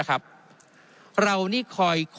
ครับเรานี้คอย